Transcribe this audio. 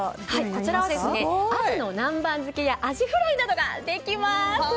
こちらはアジの南蛮漬けやアジフライなどができます。